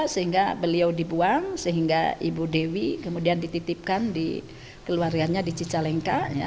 sehingga beliau dibuang sehingga ibu dewi kemudian dititipkan di keluarganya di cicalengka